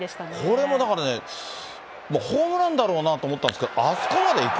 これもだからね、ホームランだろうなと思ったんですけど、あそこまでいく？